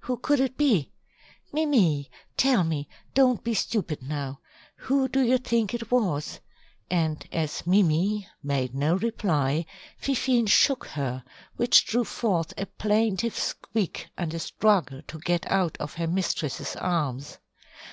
Who could it be? Mimi, tell me, don't be stupid now. Who do you think it was?" and as Mimi made no reply, Fifine shook her, which drew forth a plaintive squeak and a struggle to get out of her mistress's arms.